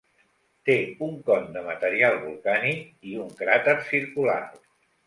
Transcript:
Té un con de material volcànic i un cràter circular.